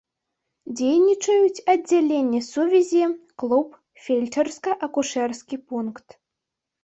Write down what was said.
Дзейнічаюць аддзяленне сувязі, клуб, фельчарска-акушэрскі пункт.